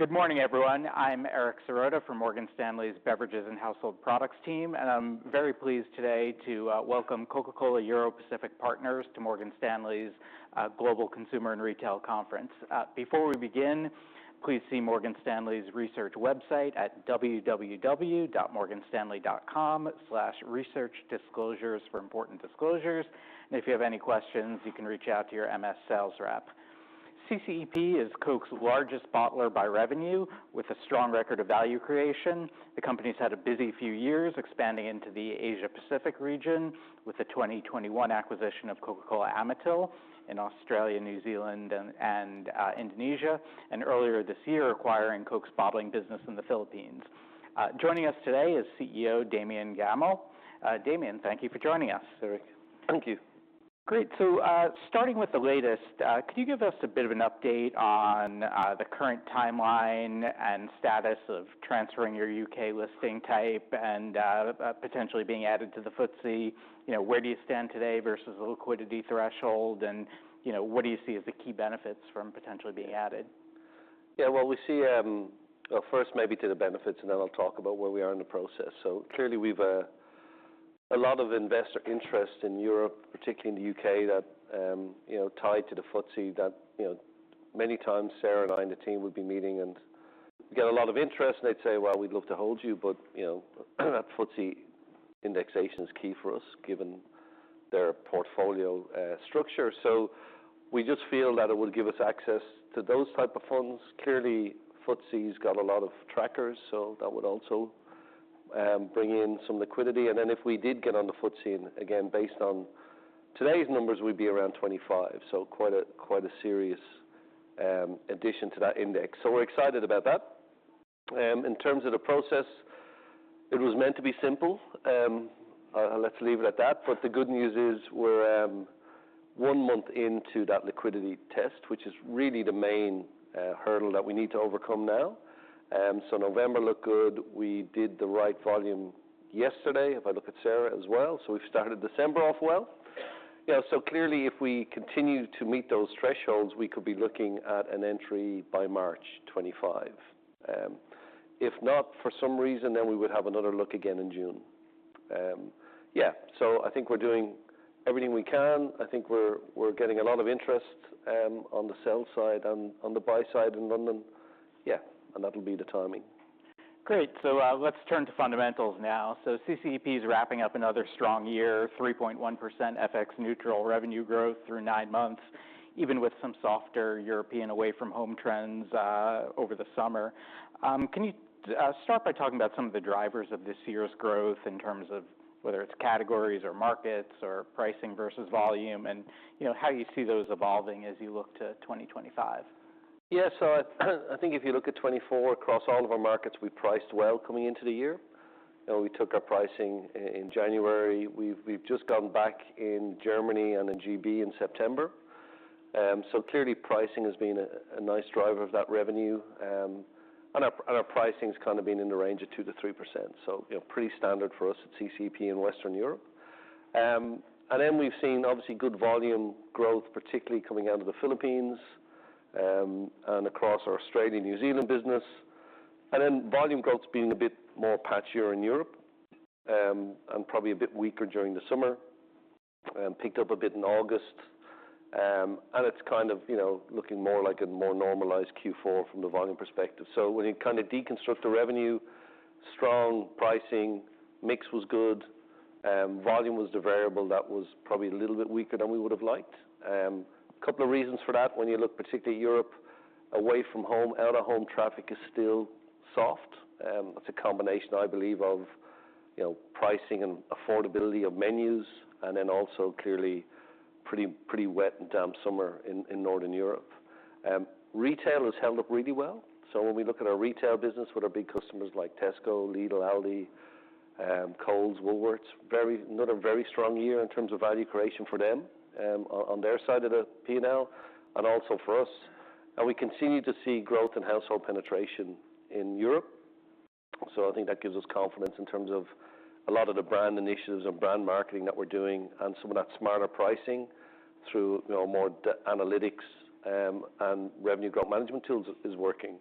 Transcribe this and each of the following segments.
Good morning, everyone. I'm Eric Serotta from Morgan Stanley's Beverages and Household Products team, and I'm very pleased today to welcome Coca-Cola Europacific Partners to Morgan Stanley's Global Consumer and Retail Conference. Before we begin, please see Morgan Stanley's research website at www.morganstanley.com/researchdisclosures for important disclosures, and if you have any questions, you can reach out to your MS sales rep. CCEP is Coke's largest bottler by revenue, with a strong record of value creation. The company's had a busy few years expanding into the Asia-Pacific region, with a 2021 acquisition of Coca-Cola Amatil in Australia, New Zealand, and Indonesia, and earlier this year acquiring Coke's bottling business in the Philippines. Joining us today is CEO Damian Gammell. Damian, thank you for joining us. Thank you. Great. So starting with the latest, could you give us a bit of an update on the current timeline and status of transferring your U.K. listing type and potentially being added to the FTSE? Where do you stand today versus the liquidity threshold, and what do you see as the key benefits from potentially being added? Yeah, well, we see first maybe to the benefits, and then I'll talk about where we are in the process. So clearly, we've a lot of investor interest in Europe, particularly in the U.K., tied to the FTSE that many times Sarah and I and the team would be meeting and get a lot of interest, and they'd say, "Well, we'd love to hold you," but that FTSE indexation is key for us given their portfolio structure. So we just feel that it would give us access to those types of funds. Clearly, FTSE's got a lot of trackers, so that would also bring in some liquidity. And then if we did get on the FTSE, again, based on today's numbers, we'd be around 25, so quite a serious addition to that index. So we're excited about that. In terms of the process, it was meant to be simple. Let's leave it at that, but the good news is we're one month into that liquidity test, which is really the main hurdle that we need to overcome now, so November looked good. We did the right volume yesterday, if I look at Sarah as well, so we've started December off well, so clearly, if we continue to meet those thresholds, we could be looking at an entry by March 2025. If not, for some reason, then we would have another look again in June. Yeah, so I think we're doing everything we can. I think we're getting a lot of interest on the sell side and on the buy side in London. Yeah, and that'll be the timing. Great. So let's turn to fundamentals now. So CCEP's wrapping up another strong year, 3.1% FX-neutral revenue growth through nine months, even with some softer European away-from-home trends over the summer. Can you start by talking about some of the drivers of this year's growth in terms of whether it's categories or markets or pricing versus volume, and how you see those evolving as you look to 2025? Yeah, so I think if you look at 2024, across all of our markets, we priced well coming into the year. We took our pricing in January. We've just gone back in Germany and in GB in September, so clearly, pricing has been a nice driver of that revenue, and our pricing's kind of been in the range of 2%-3%. So pretty standard for us at CCEP in Western Europe, and then we've seen, obviously, good volume growth, particularly coming out of the Philippines and across our Australia and New Zealand business, and then volume growth's been a bit more patchier in Europe and probably a bit weaker during the summer and picked up a bit in August. And it's kind of looking more like a more normalized Q4 from the volume perspective, so when you kind of deconstruct the revenue, strong pricing mix was good. Volume was the variable that was probably a little bit weaker than we would have liked. A couple of reasons for that. When you look, particularly Europe away-from-home, out-of-home traffic is still soft. It's a combination, I believe, of pricing and affordability of menus, and then also clearly pretty wet and damp summer in Northern Europe. Retail has held up really well, so when we look at our retail business with our big customers like Tesco, Lidl, Aldi, Coles, Woolworths, not a very strong year in terms of value creation for them on their side of the P&L and also for us, and we continue to see growth in household penetration in Europe. So I think that gives us confidence in terms of a lot of the brand initiatives and brand marketing that we're doing and some of that smarter pricing through more analytics and revenue growth management tools is working.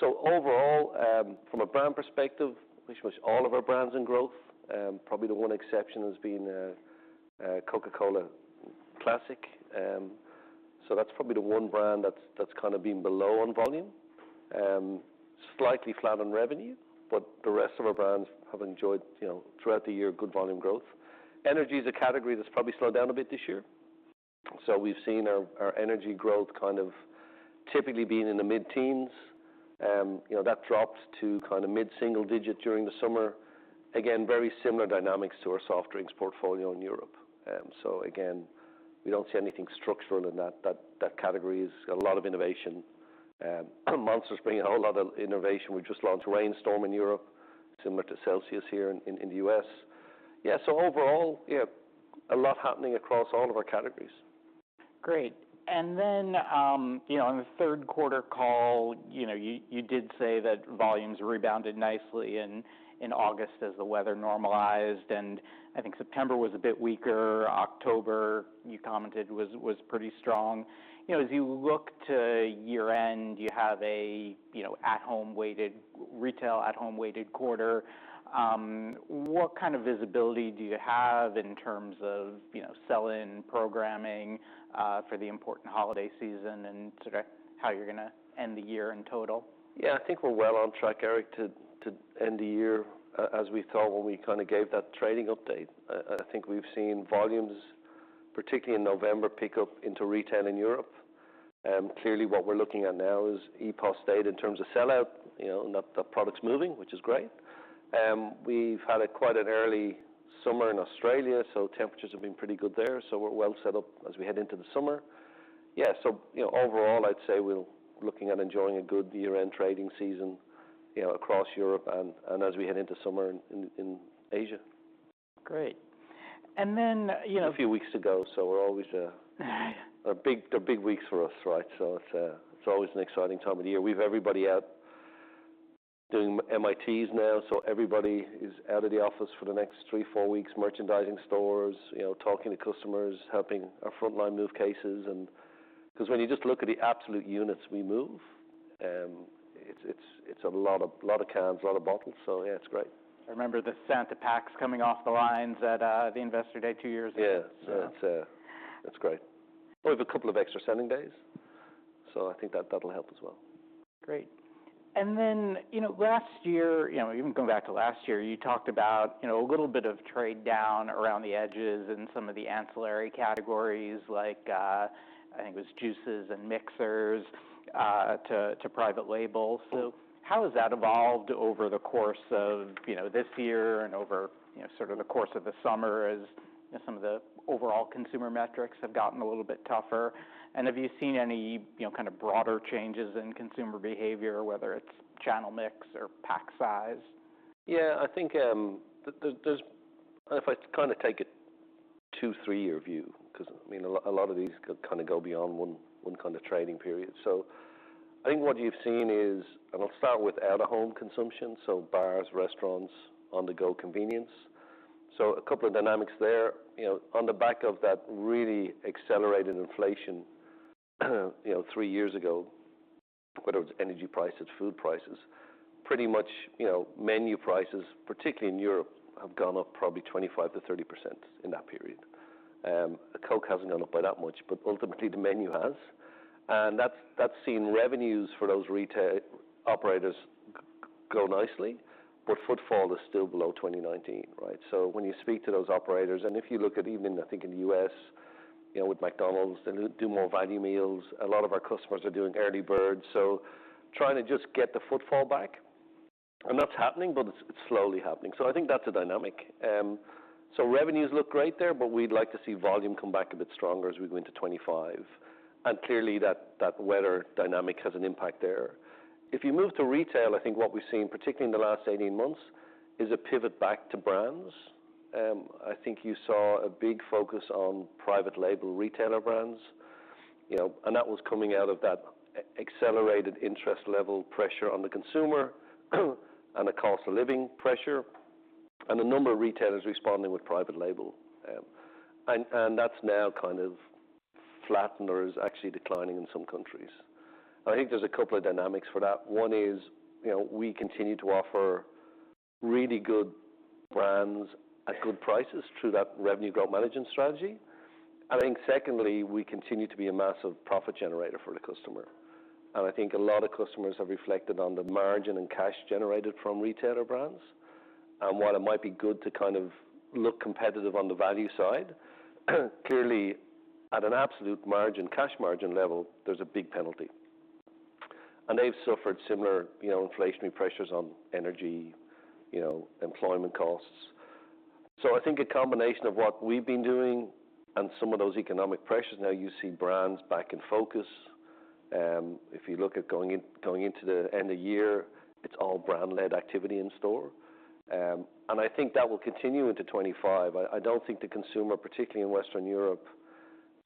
So overall, from a brand perspective, pretty much all of our brands in growth. Probably the one exception has been Coca-Cola Classic. So that's probably the one brand that's kind of been below on volume, slightly flat on revenue, but the rest of our brands have enjoyed throughout the year good volume growth. Energy is a category that's probably slowed down a bit this year. So we've seen our energy growth kind of typically being in the mid-teens. That dropped to kind of mid-single digit during the summer. Again, very similar dynamics to our soft drinks portfolio in Europe. So again, we don't see anything structural in that category. There's a lot of innovation. Monster's bringing a whole lot of innovation. We just launched Reign Storm in Europe, similar to Celsius here in the U.S. Yeah, so overall, yeah, a lot happening across all of our categories. Great. And then on the third quarter call, you did say that volumes rebounded nicely in August as the weather normalized, and I think September was a bit weaker. October, you commented, was pretty strong. As you look to year-end, you have an at-home-weighted retail, at-home-weighted quarter. What kind of visibility do you have in terms of sell-in programming for the important holiday season and sort of how you're going to end the year in total? Yeah, I think we're well on track, Eric, to end the year as we thought when we kind of gave that trading update. I think we've seen volumes, particularly in November, pick up into retail in Europe. Clearly, what we're looking at now is upbeat state in terms of sell-out, that the product's moving, which is great. We've had quite an early summer in Australia, so temperatures have been pretty good there. So we're well set up as we head into the summer. Yeah, so overall, I'd say we're looking at enjoying a good year-end trading season across Europe and as we head into summer in Asia. Great. And then. A few weeks ago, so they're big weeks for us, right? So it's always an exciting time of the year. We have everybody out doing MITs now, so everybody is out of the office for the next three, four weeks, merchandising stores, talking to customers, helping our frontline move cases. Because when you just look at the absolute units we move, it's a lot of cans, a lot of bottles. So yeah, it's great. I remember the Santa packs coming off the lines at the Investor Day two years ago. Yeah, so it's great. We have a couple of extra selling days, so I think that'll help as well. Great. And then last year, even going back to last year, you talked about a little bit of trade down around the edges in some of the ancillary categories, like I think it was juices and mixers to private labels. So how has that evolved over the course of this year and over sort of the course of the summer as some of the overall consumer metrics have gotten a little bit tougher? And have you seen any kind of broader changes in consumer behavior, whether it's channel mix or pack size? Yeah, I think if I kind of take a two, three-year view, because a lot of these kind of go beyond one kind of trading period, so I think what you've seen is, and I'll start with out-of-home consumption, so bars, restaurants, on-the-go convenience, so a couple of dynamics there. On the back of that really accelerated inflation three years ago, whether it was energy prices, food prices, pretty much menu prices, particularly in Europe, have gone up probably 25%-30% in that period. Coke hasn't gone up by that much, but ultimately the menu has, and that's seen revenues for those retail operators go nicely, but footfall is still below 2019, right, so when you speak to those operators, and if you look at even, I think, in the U.S. with McDonald's, they do more value meals. A lot of our customers are doing early birds. Trying to just get the footfall back. And that's happening, but it's slowly happening. So I think that's a dynamic. So revenues look great there, but we'd like to see volume come back a bit stronger as we go into 2025. And clearly, that weather dynamic has an impact there. If you move to retail, I think what we've seen, particularly in the last 18 months, is a pivot back to brands. I think you saw a big focus on private label retailer brands. And that was coming out of that accelerated interest level pressure on the consumer and the cost of living pressure and the number of retailers responding with private label. And that's now kind of flattened or is actually declining in some countries. I think there's a couple of dynamics for that. One is we continue to offer really good brands at good prices through that revenue growth management strategy. And I think secondly, we continue to be a massive profit generator for the customer. And I think a lot of customers have reflected on the margin and cash generated from retailer brands and why it might be good to kind of look competitive on the value side. Clearly, at an absolute margin, cash margin level, there's a big penalty. And they've suffered similar inflationary pressures on energy, employment costs. So I think a combination of what we've been doing and some of those economic pressures, now you see brands back in focus. If you look at going into the end of year, it's all brand-led activity in store. And I think that will continue into 2025. I don't think the consumer, particularly in Western Europe,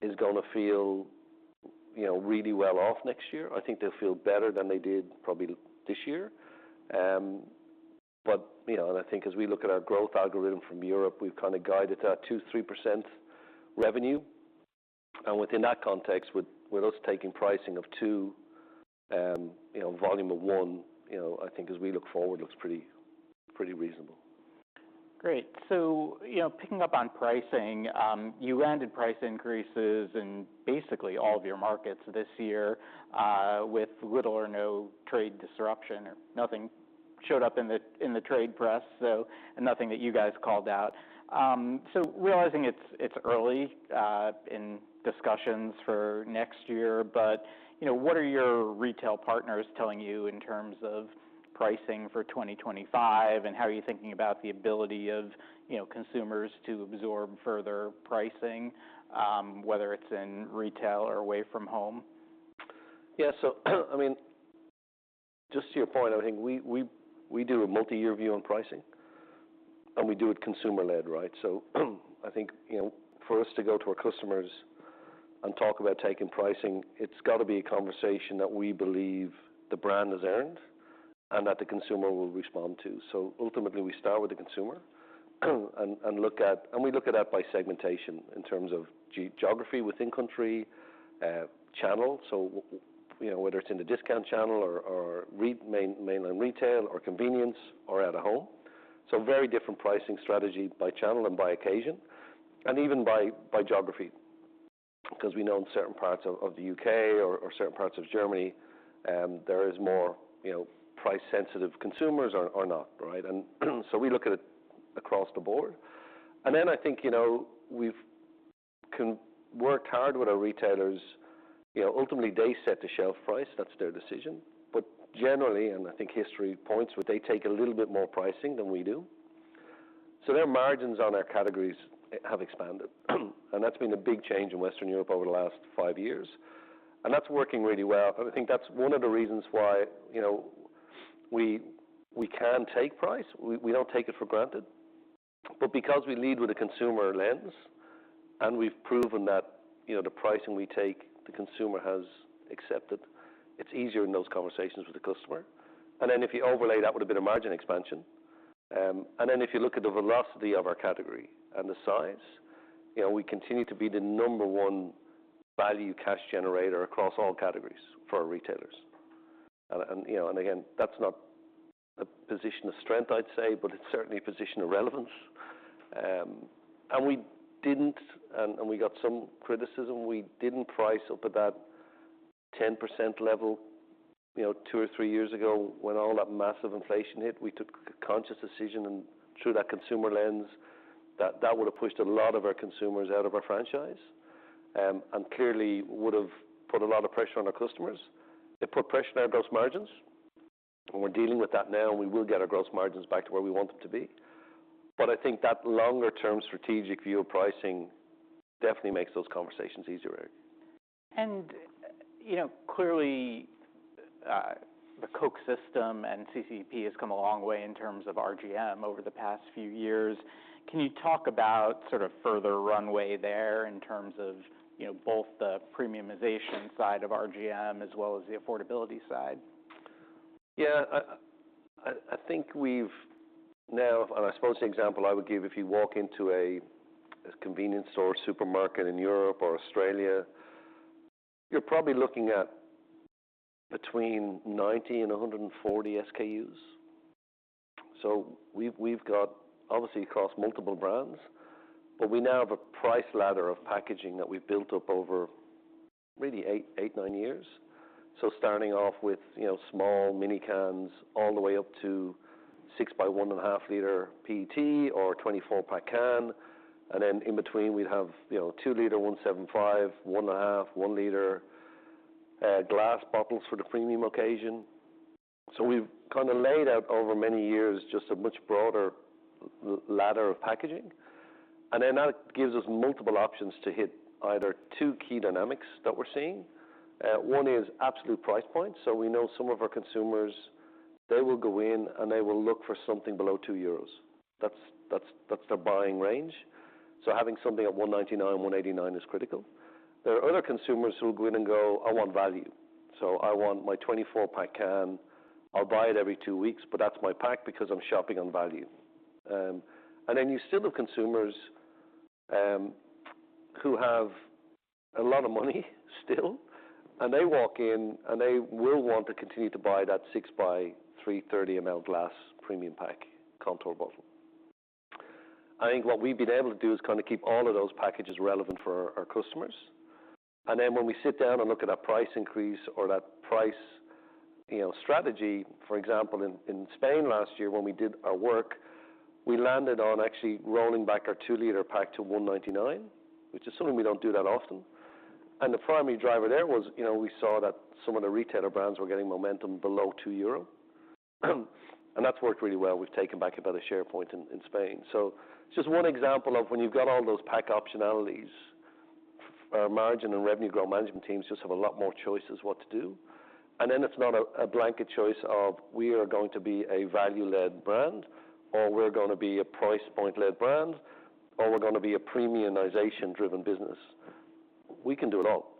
is going to feel really well off next year. I think they'll feel better than they did probably this year. But I think as we look at our growth algorithm from Europe, we've kind of guided that 2%-3% revenue. And within that context, with us taking pricing of two, volume of one, I think as we look forward, looks pretty reasonable. Great. So picking up on pricing, you ended price increases in basically all of your markets this year with little or no trade disruption or nothing showed up in the trade press and nothing that you guys called out. So realizing it's early in discussions for next year, but what are your retail partners telling you in terms of pricing for 2025, and how are you thinking about the ability of consumers to absorb further pricing, whether it's in retail or away-from-home? Yeah, so I mean, just to your point, I think we do a multi-year view on pricing, and we do it consumer-led, right? So I think for us to go to our customers and talk about taking pricing, it's got to be a conversation that we believe the brand has earned and that the consumer will respond to. So ultimately, we start with the consumer and we look at that by segmentation in terms of geography within country, channel, so whether it's in the discount channel or mainline retail or convenience or out-of-home. So very different pricing strategy by channel and by occasion and even by geography. Because we know in certain parts of the U.K. or certain parts of Germany, there is more price-sensitive consumers or not, right? And so we look at it across the board. And then I think we've worked hard with our retailers. Ultimately, they set the shelf price. That's their decision, but generally, and I think history points, they take a little bit more pricing than we do, so their margins on our categories have expanded, and that's been a big change in Western Europe over the last five years, and that's working really well, and I think that's one of the reasons why we can take price. We don't take it for granted, but because we lead with a consumer lens and we've proven that the pricing we take, the consumer has accepted, it's easier in those conversations with the customer, and then if you overlay that with a bit of margin expansion, and then if you look at the velocity of our category and the size, we continue to be the number one value cash generator across all categories for our retailers. And again, that's not a position of strength, I'd say, but it's certainly a position of relevance. And we didn't, and we got some criticism. We didn't price up at that 10% level two or three years ago when all that massive inflation hit. We took a conscious decision and through that consumer lens, that would have pushed a lot of our consumers out of our franchise and clearly would have put a lot of pressure on our customers. It put pressure on our gross margins. And we're dealing with that now, and we will get our gross margins back to where we want them to be. But I think that longer-term strategic view of pricing definitely makes those conversations easier, Eric. Clearly, the Coke system and CCEP has come a long way in terms of RGM over the past few years. Can you talk about sort of further runway there in terms of both the premiumization side of RGM as well as the affordability side? Yeah, I think we've now, and I suppose the example I would give, if you walk into a convenience store or supermarket in Europe or Australia, you're probably looking at between 90 and 140 SKUs. So we've got obviously across multiple brands, but we now have a price ladder of packaging that we've built up over really eight, nine years. So starting off with small mini cans all the way up to 6x1.5 L PET or 24-pack can. And then in between, we'd have 2 L 1.75 L, 1.5 L, 1 L glass bottles for the premium occasion. So we've kind of laid out over many years just a much broader ladder of packaging. And then that gives us multiple options to hit either two key dynamics that we're seeing. One is absolute price point. So we know some of our consumers, they will go in and they will look for something below 2 euros. That's their buying range. So having something at 1.99, 1.89 is critical. There are other consumers who will go in and go, "I want value." So I want my 24-pack can. I'll buy it every two weeks, but that's my pack because I'm shopping on value. And then you still have consumers who have a lot of money still, and they walk in and they will want to continue to buy that 6x330 ml glass premium pack contour bottle. I think what we've been able to do is kind of keep all of those packages relevant for our customers. Then when we sit down and look at that price increase or that price strategy, for example, in Spain last year when we did our work, we landed on actually rolling back our 2 L pack to 1.99, which is something we don't do that often. The primary driver there was we saw that some of the retailer brands were getting momentum below 2 euro. That's worked really well. We've taken back a bit of share in Spain. It's just one example of when you've got all those pack optionalities, our margin and revenue growth management teams just have a lot more choices what to do. It's not a blanket choice of we are going to be a value-led brand or we're going to be a price point-led brand or we're going to be a premiumization-driven business. We can do it all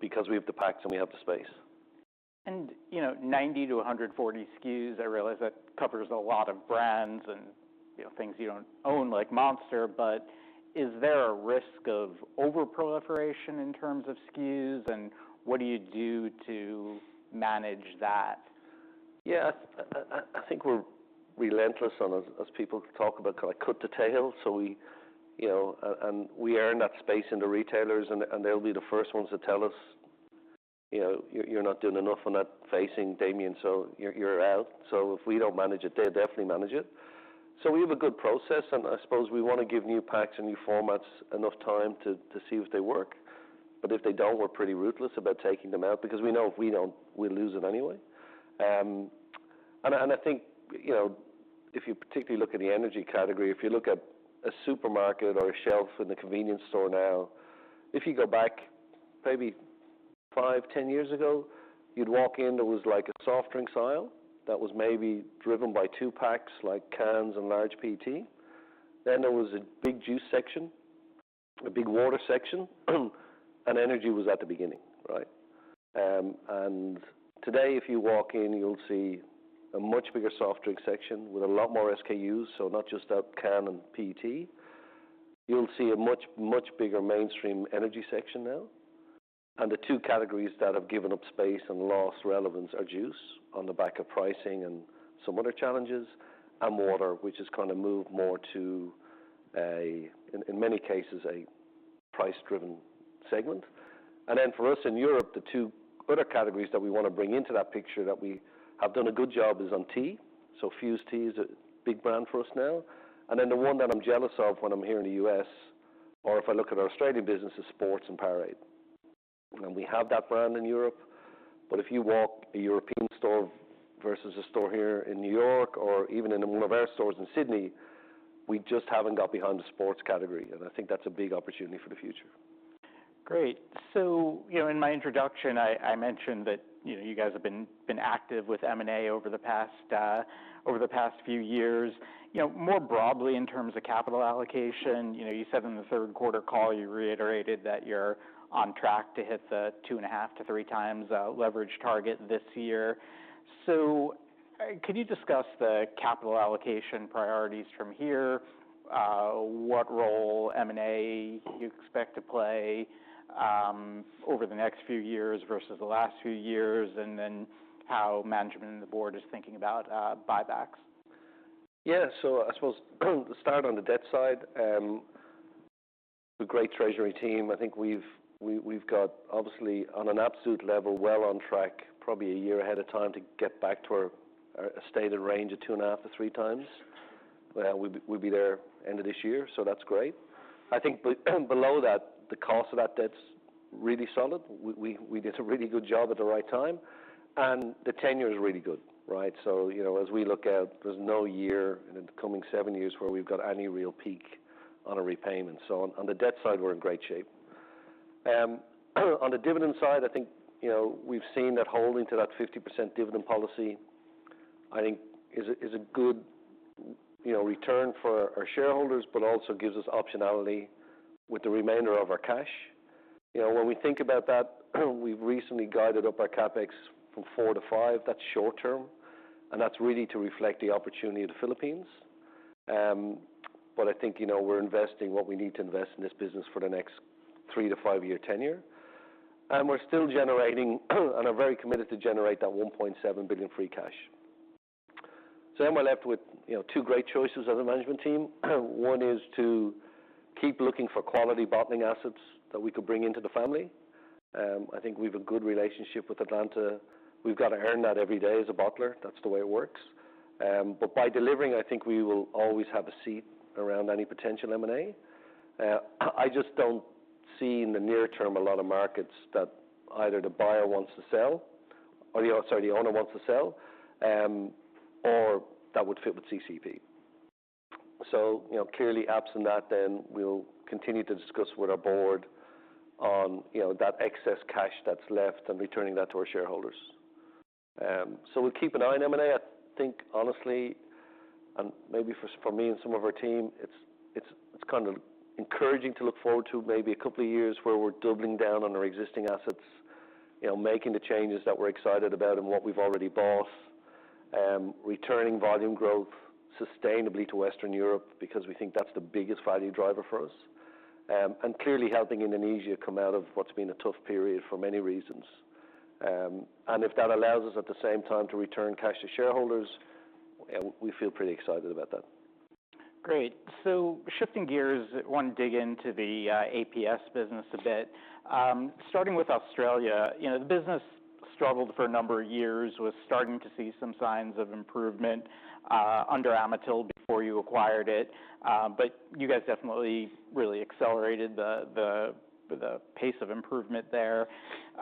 because we have the packs and we have the space. 90-140 SKUs, I realize that covers a lot of brands and things you don't own like Monster, but is there a risk of over-proliferation in terms of SKUs and what do you do to manage that? Yeah, I think we're relentless as people talk about kind of cut the tail. And we earn that space into retailers, and they'll be the first ones to tell us, "You're not doing enough on that facing, Damian, so you're out." So if we don't manage it, they'll definitely manage it. So we have a good process, and I suppose we want to give new packs and new formats enough time to see if they work. But if they don't, we're pretty ruthless about taking them out because we know if we don't, we lose it anyway. I think if you particularly look at the energy category, if you look at a supermarket or a shelf in the convenience store now, if you go back maybe five, 10 years ago, you'd walk in, there was like a soft drinks aisle that was maybe driven by two packs like cans and large PET. Then there was a big juice section, a big water section, and energy was at the beginning, right? And today, if you walk in, you'll see a much bigger soft drink section with a lot more SKUs, so not just a can and PET. You'll see a much, much bigger mainstream energy section now. And the two categories that have given up space and lost relevance are juice on the back of pricing and some other challenges and water, which has kind of moved more to, in many cases, a price-driven segment. And then, for us in Europe, the two other categories that we want to bring into that picture that we have done a good job is on tea. So Fuze Tea is a big brand for us now. And then the one that I'm jealous of when I'm here in the U.S., or if I look at our Australian business, is sports and Powerade. And we have that brand in Europe. But if you walk a European store versus a store here in New York or even in one of our stores in Sydney, we just haven't got behind the sports category. And I think that's a big opportunity for the future. Great. So in my introduction, I mentioned that you guys have been active with M&A over the past few years. More broadly in terms of capital allocation, you said in the third quarter call, you reiterated that you're on track to hit the 2.5x-3x leverage target this year. So can you discuss the capital allocation priorities from here? What role M&A you expect to play over the next few years versus the last few years, and then how management and the board is thinking about buybacks? Yeah, so I suppose to start on the debt side, a great treasury team. I think we've got obviously on an absolute level well on track, probably a year ahead of time to get back to a stated range of 2.5x-3x. We'll be there end of this year, so that's great. I think below that, the cost of that debt's really solid. We did a really good job at the right time, and the tenure is really good, right? So as we look out, there's no year in the coming seven years where we've got any real peak on a repayment. So on the debt side, we're in great shape. On the dividend side, I think we've seen that holding to that 50% dividend policy, I think, is a good return for our shareholders, but also gives us optionality with the remainder of our cash. When we think about that, we've recently guided up our CapEx from four to five. That's short term, and that's really to reflect the opportunity of the Philippines, but I think we're investing what we need to invest in this business for the next three to five-year tenure, and we're still generating, and are very committed to generate that 1.7 billion free cash, so then we're left with two great choices as a management team. One is to keep looking for quality bottling assets that we could bring into the family. I think we have a good relationship with Atlanta. We've got to earn that every day as a bottler. That's the way it works. But by delivering, I think we will always have a seat around any potential M&A. I just don't see in the near term a lot of markets that either the buyer wants to sell or the owner wants to sell or that would fit with CCEP. So clearly absent that, then we'll continue to discuss with our board on that excess cash that's left and returning that to our shareholders. So we'll keep an eye on M&A. I think honestly, and maybe for me and some of our team, it's kind of encouraging to look forward to maybe a couple of years where we're doubling down on our existing assets, making the changes that we're excited about and what we've already bought, returning volume growth sustainably to Western Europe because we think that's the biggest value driver for us. Clearly helping Indonesia come out of what's been a tough period for many reasons. If that allows us at the same time to return cash to shareholders, we feel pretty excited about that. Great. So shifting gears, I want to dig into the APS business a bit. Starting with Australia, the business struggled for a number of years, was starting to see some signs of improvement under Amatil before you acquired it. But you guys definitely really accelerated the pace of improvement there.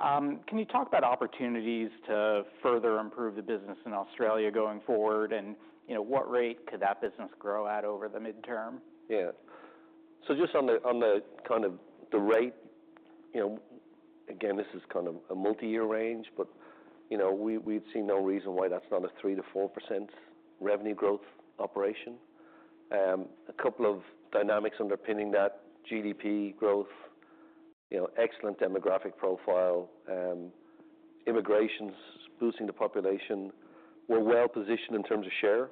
Can you talk about opportunities to further improve the business in Australia going forward and what rate could that business grow at over the midterm? Yeah. So just on the kind of the rate, again, this is kind of a multi-year range, but we'd see no reason why that's not a 3%-4% revenue growth organic. A couple of dynamics underpinning that, GDP growth, excellent demographic profile, immigration boosting the population. We're well positioned in terms of share,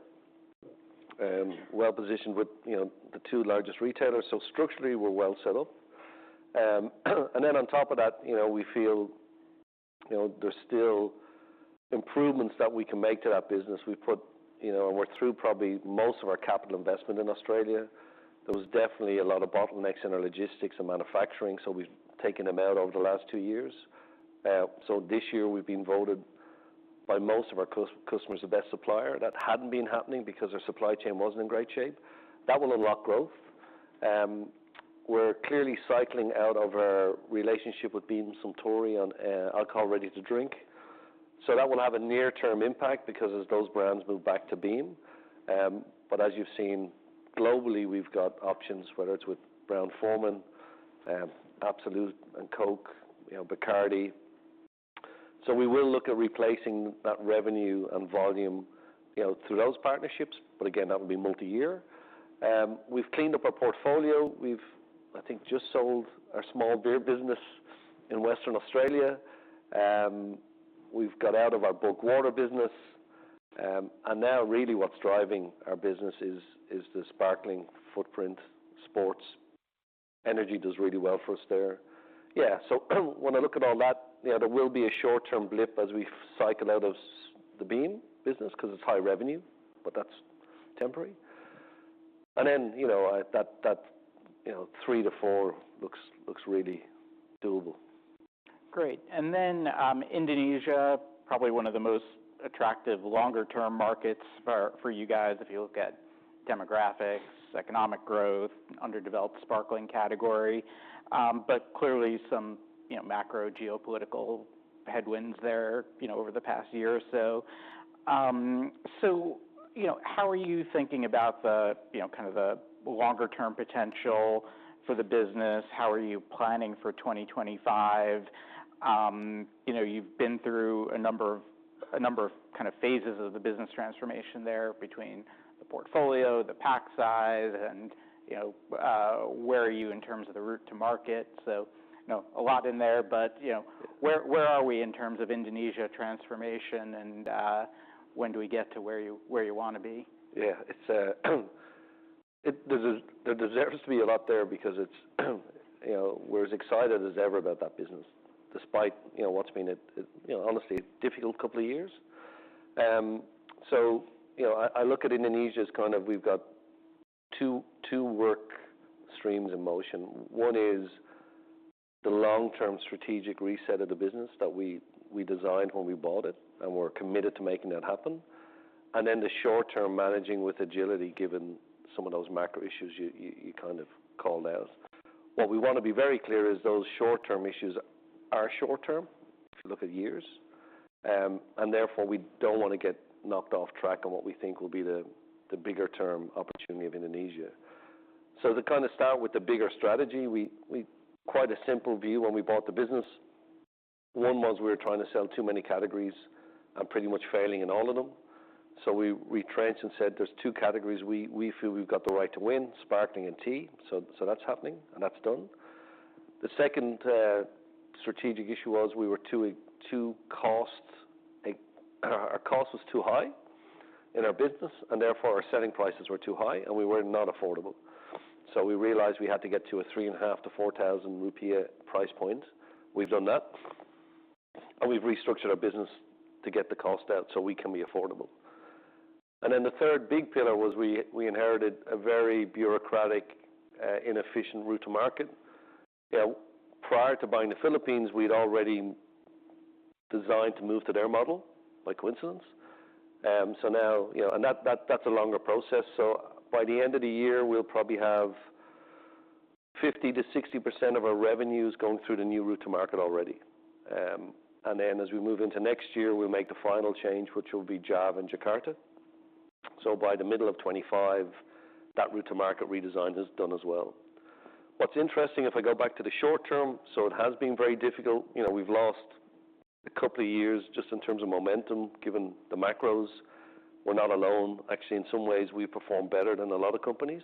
well positioned with the two largest retailers. So structurally, we're well set up. And then on top of that, we feel there's still improvements that we can make to that business. We've put and we're through probably most of our capital investment in Australia. There was definitely a lot of bottlenecks in our logistics and manufacturing, so we've taken them out over the last two years. So this year, we've been voted by most of our customers the best supplier. That hadn't been happening because our supply chain wasn't in great shape. That will unlock growth. We're clearly cycling out of our relationship with Beam Suntory on alcohol ready to drink. So that will have a near-term impact because as those brands move back to Beam. But as you've seen, globally, we've got options, whether it's with Brown-Forman, Absolut, and Coke, Bacardi. So we will look at replacing that revenue and volume through those partnerships. But again, that will be multi-year. We've cleaned up our portfolio. We've, I think, just sold our small beer business in Western Australia. We've got out of our bulk water business. And now really what's driving our business is the sparkling footprint sports. Energy does really well for us there. Yeah, so when I look at all that, there will be a short-term blip as we cycle out of the Beam business because it's high revenue, but that's temporary. And then that three to four looks really doable. Great. And then Indonesia, probably one of the most attractive longer-term markets for you guys if you look at demographics, economic growth, underdeveloped sparkling category, but clearly some macro geopolitical headwinds there over the past year or so. So how are you thinking about kind of the longer-term potential for the business? How are you planning for 2025? You've been through a number of kind of phases of the business transformation there between the portfolio, the pack size, and where are you in terms of the route to market? So a lot in there, but where are we in terms of Indonesia transformation and when do we get to where you want to be? Yeah, there deserves to be a lot there because we're as excited as ever about that business despite what's been honestly a difficult couple of years. So I look at Indonesia as kind of we've got two work streams in motion. One is the long-term strategic reset of the business that we designed when we bought it, and we're committed to making that happen. And then the short-term managing with agility given some of those macro issues you kind of called out. What we want to be very clear is those short-term issues are short-term if you look at years. And therefore, we don't want to get knocked off track on what we think will be the bigger-term opportunity of Indonesia. So to kind of start with the bigger strategy, quite a simple view when we bought the business. One was we were trying to sell too many categories and pretty much failing in all of them. So we retrenched and said there's two categories we feel we've got the right to win, sparkling and tea. So that's happening, and that's done. The second strategic issue was we were too costly. Our cost was too high in our business, and therefore our selling prices were too high, and we were not affordable. So we realized we had to get to a 3,500-4,000 rupiah price point. We've done that. And we've restructured our business to get the cost out so we can be affordable. And then the third big pillar was we inherited a very bureaucratic, inefficient route to market. Prior to buying the Philippines, we'd already decided to move to their model, by coincidence. So now that's a longer process. By the end of the year, we'll probably have 50%-60% of our revenues going through the new route to market already. And then as we move into next year, we'll make the final change, which will be Java and Jakarta. By the middle of 2025, that route to market redesign has done as well. What's interesting, if I go back to the short term, it has been very difficult. We've lost a couple of years just in terms of momentum given the macros. We're not alone. Actually, in some ways, we perform better than a lot of companies.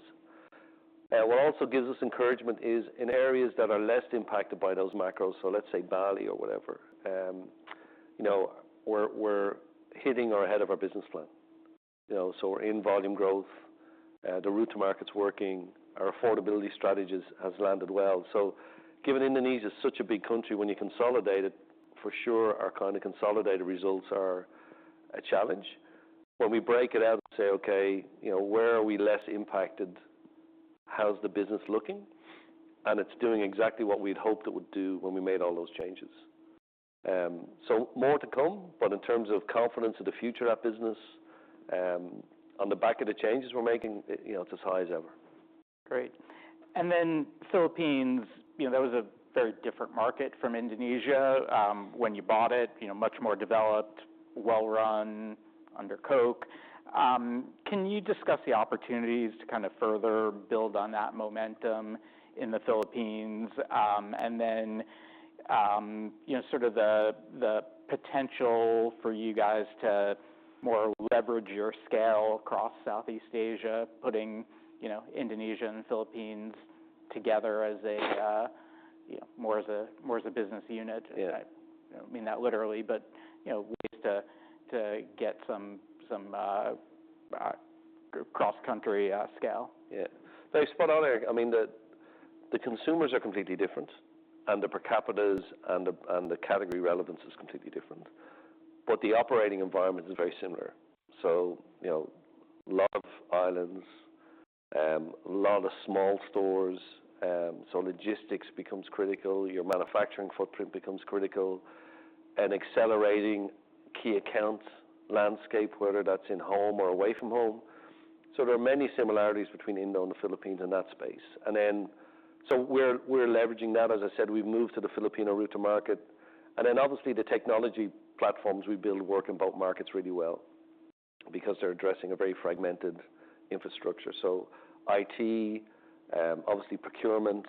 What also gives us encouragement is in areas that are less impacted by those macros, so let's say Bali or whatever, we're hitting ahead of our business plan. We're in volume growth. The route to market's working. Our affordability strategy has landed well. So given Indonesia is such a big country, when you consolidate it, for sure, our kind of consolidated results are a challenge. When we break it out and say, "Okay, where are we less impacted? How's the business looking?" And it's doing exactly what we'd hoped it would do when we made all those changes. So more to come, but in terms of confidence of the future of that business, on the back of the changes we're making, it's as high as ever. Great. And then Philippines, that was a very different market from Indonesia when you bought it, much more developed, well-run, under Coke. Can you discuss the opportunities to kind of further build on that momentum in the Philippines and then sort of the potential for you guys to more leverage your scale across Southeast Asia, putting Indonesia and Philippines together as more as a business unit? I mean that literally, but ways to get some cross-country scale. Yeah. They're spot on there. I mean, the consumers are completely different, and the per capitas and the category relevance is completely different. But the operating environment is very similar. So a lot of islands, a lot of small stores. So logistics becomes critical. Your manufacturing footprint becomes critical. And accelerating key accounts landscape, whether that's in home or away-from-home. So there are many similarities between Indo and the Philippines in that space. And then so we're leveraging that. As I said, we've moved to the Filipino route to market. And then obviously, the technology platforms we build work in both markets really well because they're addressing a very fragmented infrastructure. So IT, obviously procurement,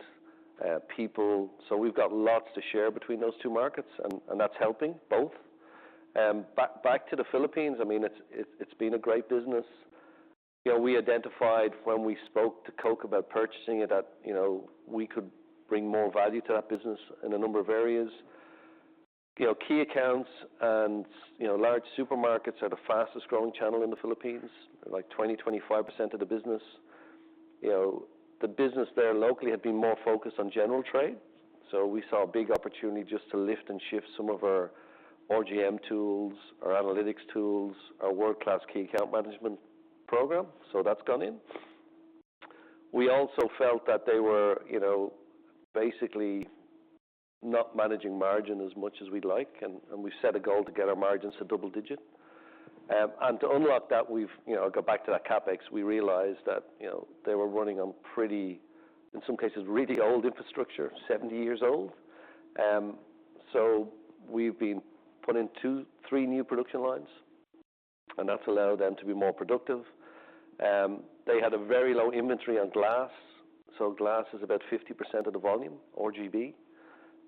people. So we've got lots to share between those two markets, and that's helping both. Back to the Philippines, I mean, it's been a great business. We identified when we spoke to Coke about purchasing it that we could bring more value to that business in a number of areas. Key accounts and large supermarkets are the fastest growing channel in the Philippines, like 20%-25% of the business. The business there locally had been more focused on general trade. So we saw a big opportunity just to lift and shift some of our RGM tools, our analytics tools, our world-class key account management program. So that's gone in. We also felt that they were basically not managing margin as much as we'd like, and we set a goal to get our margins to double-digit. And to unlock that, we've got back to that CapEx. We realized that they were running on pretty, in some cases, really old infrastructure, 70 years old. So we've been putting in two, three new production lines, and that's allowed them to be more productive. They had a very low inventory on glass. So glass is about 50% of the volume, RGB,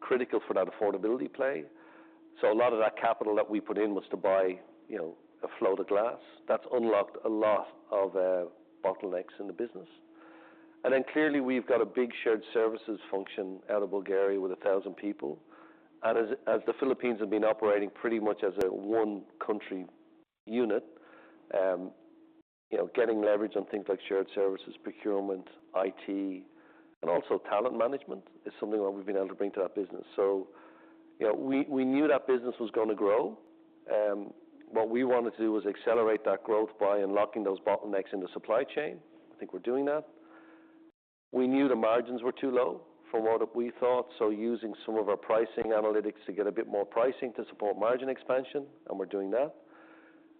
critical for that affordability play. So a lot of that capital that we put in was to buy a float of glass. That's unlocked a lot of bottlenecks in the business. And then clearly, we've got a big shared services function out of Bulgaria with 1,000 people. And as the Philippines has been operating pretty much as a one-country unit, getting leverage on things like shared services, procurement, IT, and also talent management is something that we've been able to bring to that business. So we knew that business was going to grow. What we wanted to do was accelerate that growth by unlocking those bottlenecks in the supply chain. I think we're doing that. We knew the margins were too low from what we thought, so using some of our pricing analytics to get a bit more pricing to support margin expansion, and we're doing that.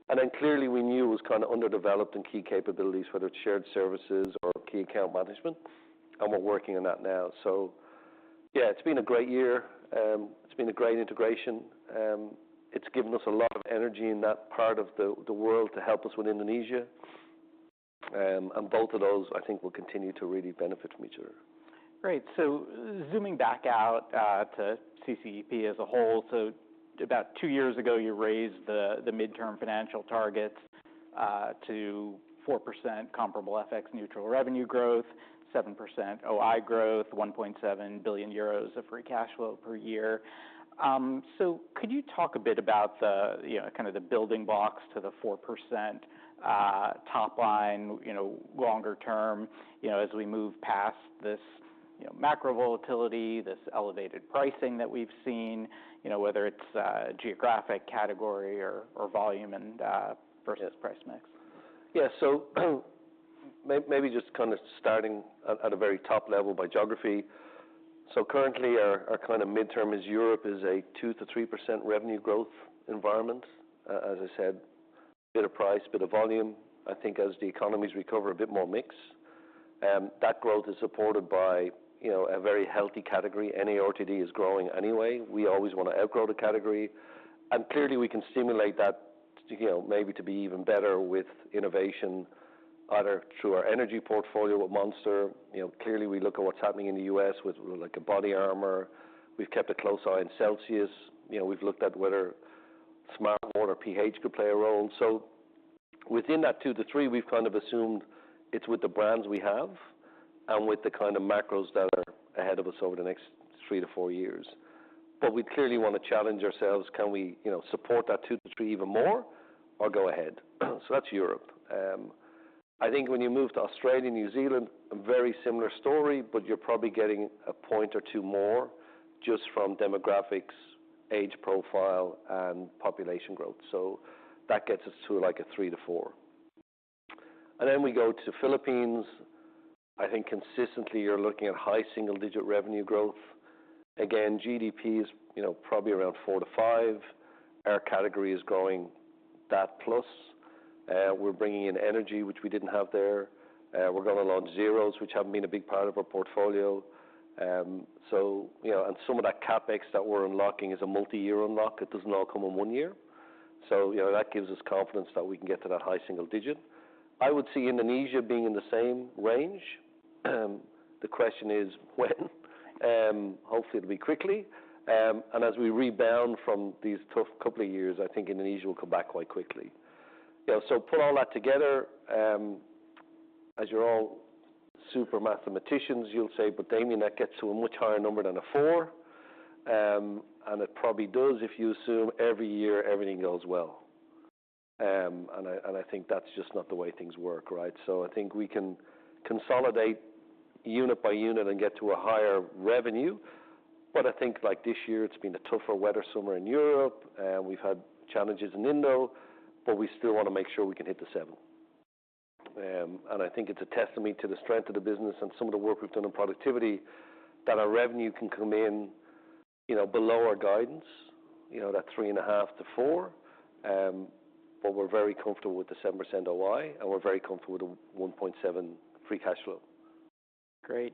And then clearly, we knew it was kind of underdeveloped in key capabilities, whether it's shared services or key account management, and we're working on that now. So yeah, it's been a great year. It's been a great integration. It's given us a lot of energy in that part of the world to help us with Indonesia. And both of those, I think, will continue to really benefit from each other. Great. So zooming back out to CCEP as a whole, so about two years ago, you raised the midterm financial targets to 4% comparable FX-neutral revenue growth, 7% OI growth, 1.7 billion euros of free cash flow per year. So could you talk a bit about kind of the building blocks to the 4% top line longer term as we move past this macro volatility, this elevated pricing that we've seen, whether it's geographic category or volume versus price mix? Yeah, so maybe just kind of starting at a very top level by geography. So currently, our kind of midterm is Europe is a 2%-3% revenue growth environment. As I said, bit of price, bit of volume. I think as the economies recover, a bit more mix. That growth is supported by a very healthy category. NARTD is growing anyway. We always want to outgrow the category. And clearly, we can stimulate that maybe to be even better with innovation either through our energy portfolio with Monster. Clearly, we look at what's happening in the U.S. with like a BODYARMOR. We've kept a close eye on Celsius. We've looked at whether Smartwater pH could play a role. So within that 2%-3%, we've kind of assumed it's with the brands we have and with the kind of macros that are ahead of us over the next three to four years. But we clearly want to challenge ourselves. Can we support that 2%-3% even more or go ahead? So that's Europe. I think when you move to Australia and New Zealand, a very similar story, but you're probably getting a point or two more just from demographics, age profile, and population growth. So that gets us to like a 3%-4%. And then we go to the Philippines. I think consistently, you're looking at high single-digit revenue growth. Again, GDP is probably around 4%-5%. Our category is growing that plus. We're bringing in energy, which we didn't have there. We're going to launch zeros, which haven't been a big part of our portfolio, and some of that CapEx that we're unlocking is a multi-year unlock. It doesn't all come in one year, so that gives us confidence that we can get to that high single digit. I would see Indonesia being in the same range. The question is when. Hopefully, it'll be quickly, and as we rebound from these tough couple of years, I think Indonesia will come back quite quickly. Put all that together. As you're all super mathematicians, you'll say, "But Damian, that gets to a much higher number than a 4%." It probably does if you assume every year everything goes well, and I think that's just not the way things work, right? We can consolidate unit by unit and get to a higher revenue. But I think like this year, it's been a tougher, wetter summer in Europe. We've had challenges in Indo, but we still want to make sure we can hit the 7%. And I think it's a testament to the strength of the business and some of the work we've done in productivity that our revenue can come in below our guidance, that 3.5%-4%. But we're very comfortable with the 7% OI, and we're very comfortable with the 1.7% free cash flow. Great.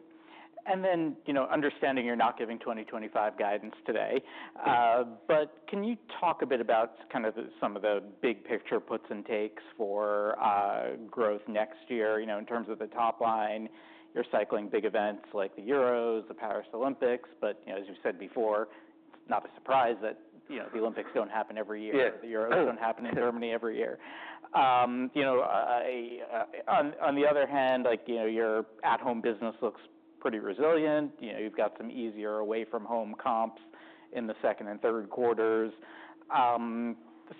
And then understanding you're not giving 2025 guidance today, but can you talk a bit about kind of some of the big picture puts and takes for growth next year in terms of the top line? You're cycling big events like the Euros, the Paris Olympics, but as you said before, it's not a surprise that the Olympics don't happen every year. The Euros don't happen in Germany every year. On the other hand, your at-home business looks pretty resilient. You've got some easier away-from-home comps in the second and third quarters.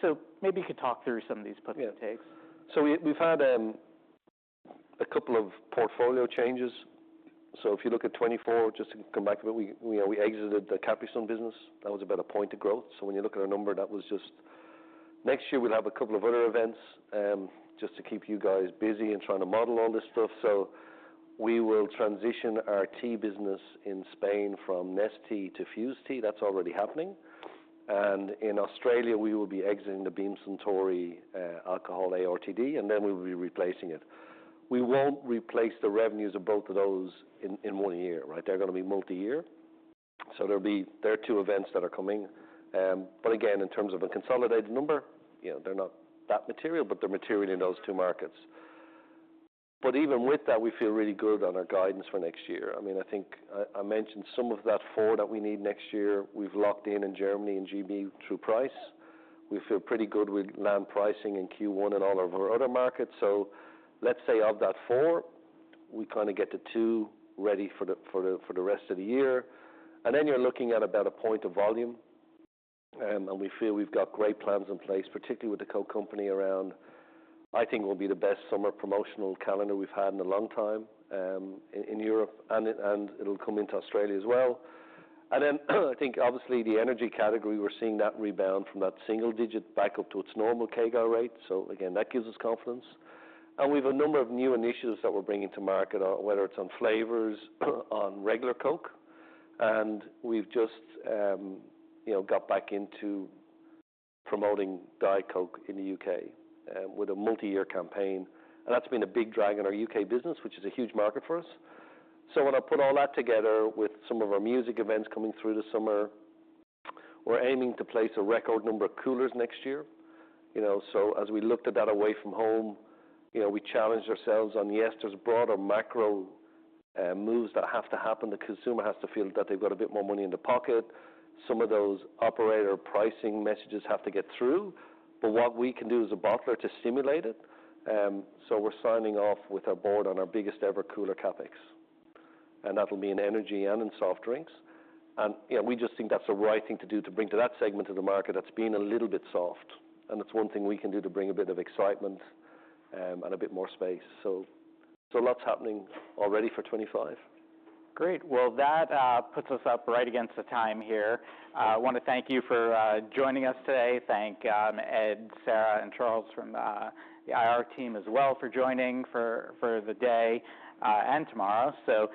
So maybe you could talk through some of these puts and takes. Yeah. So we've had a couple of portfolio changes. So if you look at 2024, just to come back to it, we exited the Capri Sun business. That was about a point of growth. So when you look at our number, that was just next year, we'll have a couple of other events just to keep you guys busy and trying to model all this stuff. So we will transition our tea business in Spain from Nestea to Fuze Tea. That's already happening. And in Australia, we will be exiting the Beam Suntory alcohol ARTD, and then we will be replacing it. We won't replace the revenues of both of those in one year, right? They're going to be multi-year. So there'll be two events that are coming. But again, in terms of a consolidated number, they're not that material, but they're material in those two markets. But even with that, we feel really good on our guidance for next year. I mean, I think I mentioned some of that four that we need next year. We've locked in Germany and GB through price. We feel pretty good with planned pricing in Q1 and all of our other markets. So let's say of that four, we kind of get the two ready for the rest of the year. And then you're looking at about a point of volume. And we feel we've got great plans in place, particularly with the Coke company around. I think it will be the best summer promotional calendar we've had in a long time in Europe, and it'll come into Australia as well. And then I think obviously the energy category, we're seeing that rebound from that single digit back up to its normal CAGR rate. So again, that gives us confidence. And we have a number of new initiatives that we're bringing to market, whether it's on flavors, on regular Coke. And we've just got back into promoting Diet Coke in the U.K. with a multi-year campaign. And that's been a big drag on our U.K. business, which is a huge market for us. So when I put all that together with some of our music events coming through the summer, we're aiming to place a record number of coolers next year. So as we looked at that away-from-home, we challenged ourselves on, yes, there's broader macro moves that have to happen. The consumer has to feel that they've got a bit more money in the pocket. Some of those operator pricing messages have to get through. But what we can do as a bottler to stimulate it. So, we're signing off with our board on our biggest ever cooler CapEx. And that'll be in energy and in soft drinks. And we just think that's the right thing to do to bring to that segment of the market that's been a little bit soft. And that's one thing we can do to bring a bit of excitement and a bit more space. So, lots happening already for 2025. Great. Well, that puts us up right against the time here. I want to thank you for joining us today. Thank Ed, Sarah, and Charles from the IR team as well for joining for the day and tomorrow. So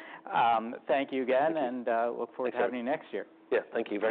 thank you again, and look forward to having you next year. Yeah. Thank you very much.